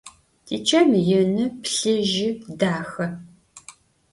Tiçem yinı, plhıjı, daxe.